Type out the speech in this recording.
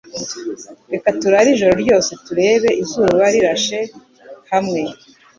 Reka turare ijoro ryose turebe izuba rirashe hamwe.